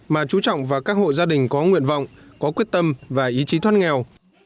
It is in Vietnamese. mà chú trọng vào các hộ gia đình có nguyện vọng có quyết tâm và ý chí thoát nghèo